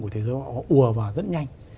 của thế giới họ ùa vào rất nhanh